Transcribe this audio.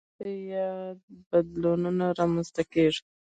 پر اساس یې یاد بدلونونه رامنځته کېږي.